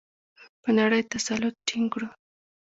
په نړۍ تسلط ټینګ کړو؟